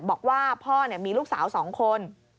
บอกว่าพ่อมีลูกสาว๒คน